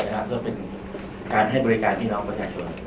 แบบการให้บริการพี่น้องประชาชน